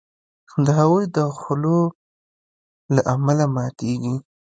د هغوی د خولو له امله ماتیږي.